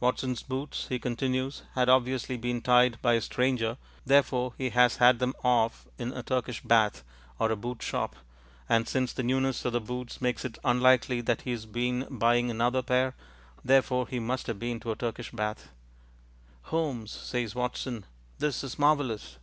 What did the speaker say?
Watson's boots, he continues, had obviously been tied by a stranger; therefore he has had them off in a Turkish bath or a boot shop, and since the newness of the boots makes it unlikely that he has been buying another pair, therefore he must have been to a Turkish bath. "Holmes," says Watson, "this is marvellous!"